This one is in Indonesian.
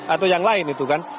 atau yang lain itu kan